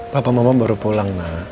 papa mama baru pulang nak